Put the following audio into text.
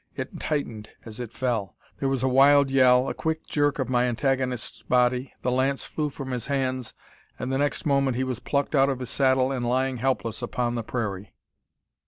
It tightened as it fell. There was a wild yell, a quick jerk of my antagonist's body, the lance flew from his hands, and the next moment he was plucked out of his saddle, and lying helpless upon the prairie.